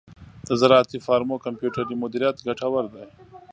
د زراعتی فارمو کمپیوټري مدیریت ګټور دی.